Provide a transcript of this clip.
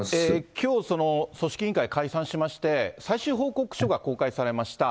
きょう、組織委員会解散しまして、最終報告書が公開されました。